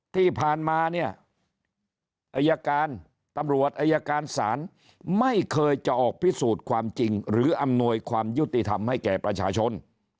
ที่ผ่านมาเนี่ยอายการตำรวจอายการศาลไม่เคยจะออกพิสูจน์ความจริงหรืออำนวยความยุติธรรมให้แก่ประชาชน